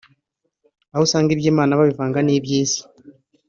aho usanga iby’Imana babivanga n’iby’isi